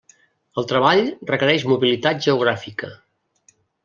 El treball requereix mobilitat geogràfica.